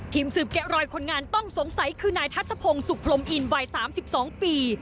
สืบแกะรอยคนงานต้องสงสัยคือนายทัศพงศุกร์พรมอินวัย๓๒ปี